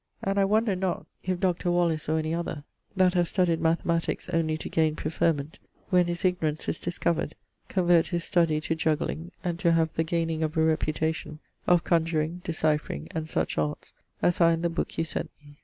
And I wonder not if Dr. Wallis, or any other, that have studyed mathematicks onely to gaine preferment, when his ignorance is discovered, convert his study to jugling and to the gaining of a reputation of conjuring, decyphering, and such arts as are in the booke you sent me.